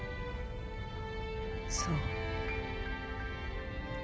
そう。